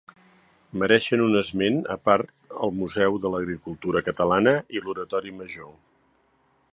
Mereixen un esment a part el Museu de l'Agricultura Catalana i l'Oratori Major.